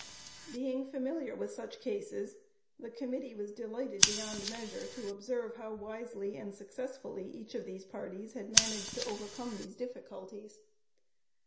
Being familiar with such cases, the Committee was delighted beyond measure to observe how wisely and successfully each of these parties had managed to overcome these difficulties.